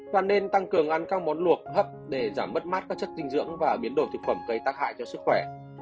và nên tăng cường ăn các món luộc hấp để giảm mất mát các chất dinh dưỡng và biến đổi thực phẩm gây tác hại cho sức khỏe